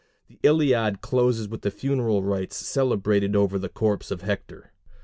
The Iliad closes with the funeral rites celebrated over the corpse of Hector.